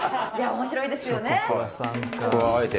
面白いですよね！